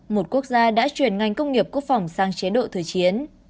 một quốc gia đã chuyển ngành công nghiệp quốc phòng sang chế độ thời chiến